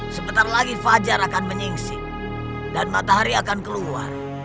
sebentar lagi fajar akan menyingsi dan matahari akan keluar